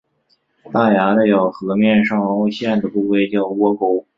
大牙的咬合面上凹陷的部位叫窝沟。